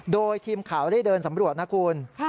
โดยทีมข่าวได้เดินสำรวจนะคุณ